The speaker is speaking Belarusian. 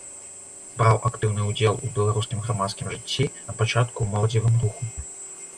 Браў актыўны ўдзел у беларускім грамадскім жыцці, напачатку ў моладзевым руху.